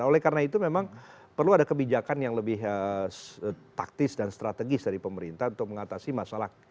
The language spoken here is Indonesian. oleh karena itu memang perlu ada kebijakan yang lebih taktis dan strategis dari pemerintah untuk mengatasi masalah